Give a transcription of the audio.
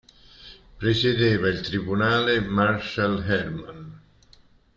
Presiedeva il Tribunale Martial Herman.